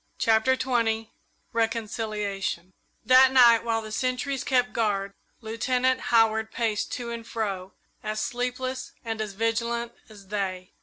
CHAPTER XX RECONCILIATION That night, while the sentries kept guard, Lieutenant Howard paced to and fro, as sleepless and as vigilant as they.